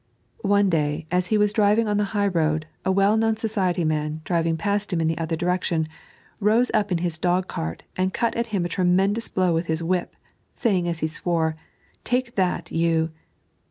One day, as he was driving on the high road, a well known society man, driving past him in the other direction, rose up in his dog cart and cut at him a tremendous blow with his whip, saying as he swore, "Take that, you